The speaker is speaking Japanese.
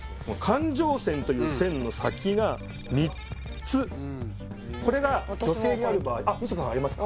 感情線という線の先が３つこれが女性にある場合私も分かれてるみちょぱさんありますか？